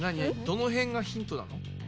どのへんがヒントなの？